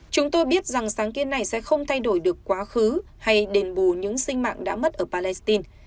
chúng tôi biết rằng sáng kiến này sẽ không thay đổi được quá khứ hay đền bù những sinh mạng đã mất ở palestine